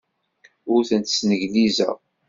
Ur tent-sneglizeɣ.